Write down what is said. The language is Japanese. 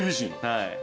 はい。